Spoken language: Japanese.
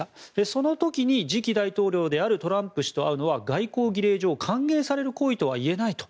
その時に次期大統領であるトランプ氏と会うのは外交儀礼上歓迎される行為とはいえないと。